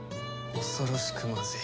恐ろしくまずい。